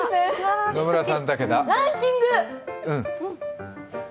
ランキング！